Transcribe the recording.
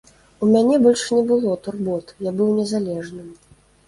У мяне больш не было турбот, я быў незалежным.